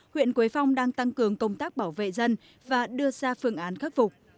huyện quế phong đang tăng cường công tác bảo vệ dân và đưa ra phương án khắc phục